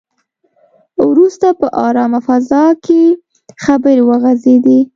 وروسته په ارامه فضا کې خبرې وغځېدې.